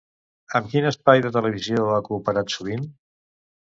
Amb quin espai de televisió ha cooperat sovint?